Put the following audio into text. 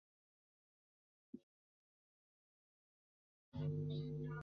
陈于是开始与几个城市的革命者进行联络。